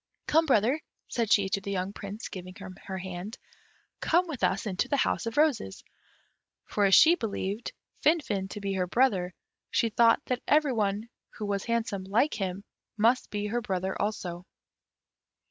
"Come, brother," said she to the young Prince, giving him her hand, "come with us into the House of Roses." For as she believed Finfin to be her brother, she thought that every one who was handsome, like him, must be her brother also.